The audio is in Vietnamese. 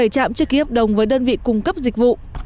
bảy trạm chưa ký hợp đồng với đơn vị cung cấp dịch vụ